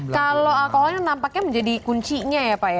kalau alkohol ini nampaknya menjadi kuncinya ya pak ya